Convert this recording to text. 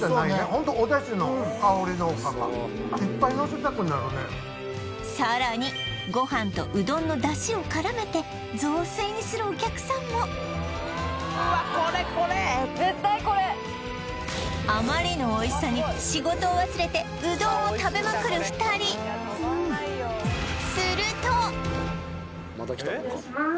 ホントお出汁の香りのおかかさらにご飯とうどんの出汁を絡めて雑炊にするお客さんもうわっこれこれ絶対これあまりのおいしさに仕事を忘れてうどんを食べまくる２人失礼します